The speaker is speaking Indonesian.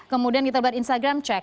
kemudian kita buat instagram cek